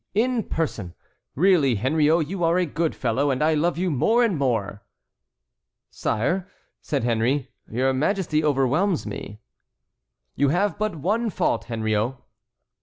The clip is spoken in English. "In person. Really, Henriot, you are a good fellow, and I love you more and more." "Sire," said Henry, "your Majesty overwhelms me." "You have but one fault, Henriot."